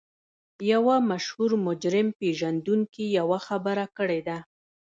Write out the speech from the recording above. یوه مشهور مجرم پېژندونکي یوه خبره کړې ده